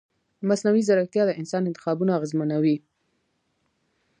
مصنوعي ځیرکتیا د انسان انتخابونه اغېزمنوي.